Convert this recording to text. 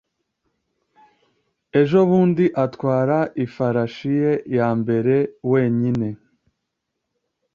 ejobundi atwara ifarashi ye ya mbere wenyine